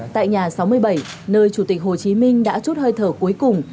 tại nhà sáu mươi bảy nơi chủ tịch hồ chí minh đã chút hơi thở cuối cùng